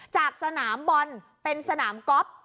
จากสนามบอลเป็นสนามก๊อฟ